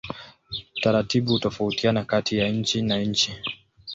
Taratibu hutofautiana kati ya nchi na nchi.